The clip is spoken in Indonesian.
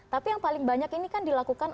tapi yang paling banyak ini kan dilakukan